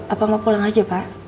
apa mau pulang aja pak